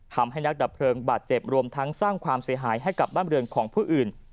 ทำให้นักดับเพลิงบาดเจ็บรวมทั้งสร้างความเสียหายให้กับบ้านบริเวณของผู้อื่น